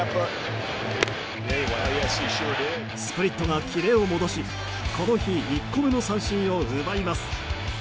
スプリットがキレを戻しこの日１個目の三振を奪います。